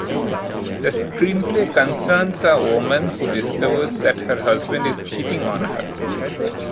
The screenplay concerns a woman who discovers that her husband is cheating on her.